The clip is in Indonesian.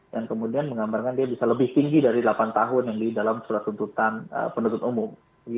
dan kemudian menggambarkan dia bisa lebih tinggi dari delapan tahun yang di dalam surat tuntutan penduduk umum